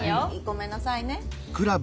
ごめんなさいね。